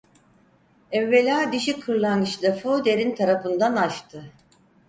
Evvela dişi kırlangıç lafı derin tarafından açtı: